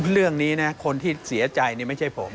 เรื่องนี้นะคนที่เสียใจไม่ใช่ผม